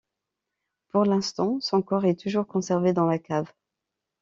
Pour l'instant, son corps est toujours conservé dans la cave.